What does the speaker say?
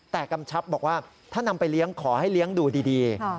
แต่กำชับบอกว่าถ้านำไปเลี้ยงขอให้เลี้ยงดูดี